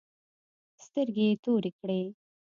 سترگې يې تورې کړې.